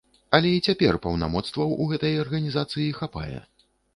Але і цяпер паўнамоцтваў у гэтай арганізацыі хапае.